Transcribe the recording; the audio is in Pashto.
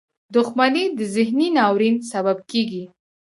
• دښمني د ذهني ناورین سبب کېږي.